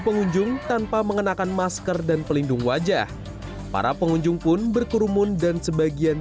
pengunjung tanpa mengenakan masker dan pelindung wajah para pengunjung pun berkerumun dan sebagian